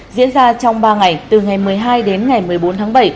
diễn ra trong ba ngày từ ngày một mươi hai đến ngày một mươi bốn tháng bảy